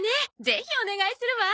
ぜひお願いするわ。